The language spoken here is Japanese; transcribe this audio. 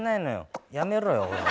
やめろよおい。